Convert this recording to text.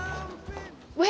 ada di samping bu hira